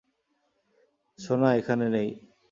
সোনা এখানে নেই।